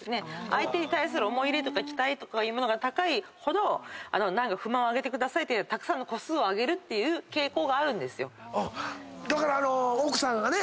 相手に対する思い入れとか期待が高いほど何か不満を挙げてくださいってたくさんの個数を挙げるっていう傾向があるんですよ。